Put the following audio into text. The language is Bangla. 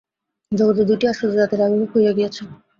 জগতে দুইটি আশ্চর্য জাতির আবির্ভাব হইয়া গিয়াছে।